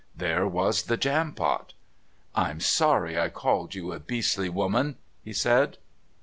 There was the Jampot. "I'm sorry I called you a beastly woman," he said.